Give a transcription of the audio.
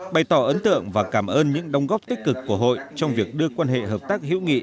bày tỏ ấn tượng và cảm ơn những đồng góp tích cực của hội trong việc đưa quan hệ hợp tác hữu nghị